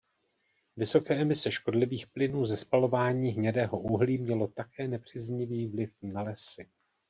Vysoké emise škodlivých plynů ze spalování hnědého uhlí mělo také nepříznivý vliv na lesy.